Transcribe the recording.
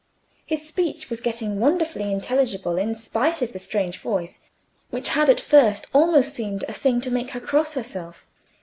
His speech was getting wonderfully intelligible in spite of the strange voice, which had at first almost seemed a thing to make her cross herself.